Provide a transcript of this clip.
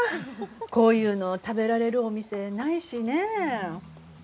こういうのを食べられるお店ないしね。